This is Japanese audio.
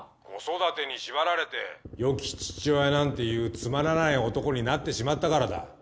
子育てに縛られて良き父親なんていうつまらない男になってしまったからだ。